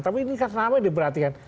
tapi ini kan ramai diperhatikan